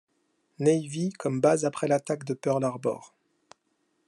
Navy comme base après l'attaque de Pearl Harbor.